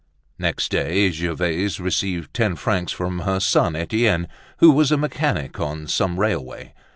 Next day, Gervaise received ten francs from her son Etienne, who was a mechanic on some railway.